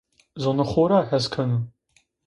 Zonê xo ra hes kenu.